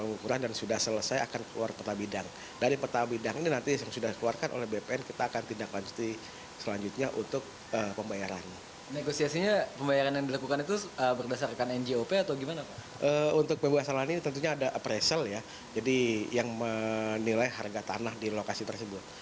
untuk pembebasan lahan ini tentunya ada appraisal ya jadi yang menilai harga tanah di lokasi tersebut